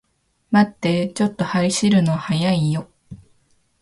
待ってー、ちょっと走るの速いよー